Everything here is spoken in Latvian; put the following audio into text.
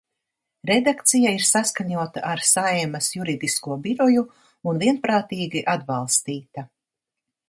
Redakcija ir saskaņota ar Saeimas Juridisko biroju un vienprātīgi atbalstīta.